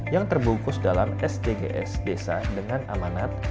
yang terbungkus dalam sdgs desa dengan amanat